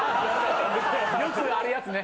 よくあるやつね。